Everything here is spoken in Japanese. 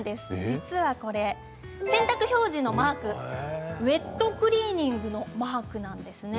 実は洗濯表示のマークウエットクリーニングのマークなんですね。